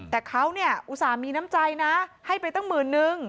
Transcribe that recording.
แต่เขาเนี่ยอุตส่าห์มีน้ำใจนะให้ไปตั้งหมื่นนึง